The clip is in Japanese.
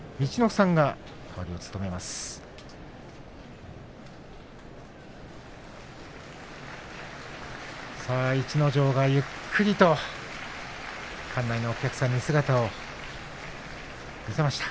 さあ、逸ノ城がゆっくりと館内のお客さんに姿を見せました。